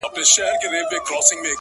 د سترگو تور مي د ايستو لائق دي!